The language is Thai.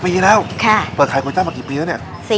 ๘๐ปีแล้วเข้าหายก๋วยจับแล้วเปิดมากี่ปีแล้ว